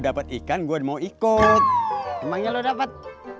dapat ikan gue mau ikut memangnya lu dapat